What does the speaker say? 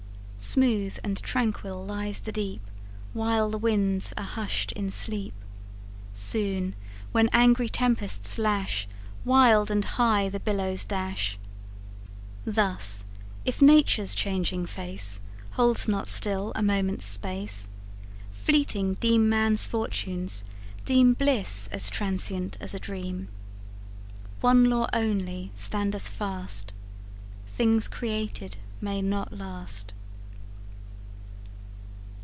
Smooth and tranquil lies the deep While the winds are hushed in sleep. Soon, when angry tempests lash, Wild and high the billows dash. Thus if Nature's changing face Holds not still a moment's space, Fleeting deem man's fortunes; deem Bliss as transient as a dream. One law only standeth fast: Things created may not last.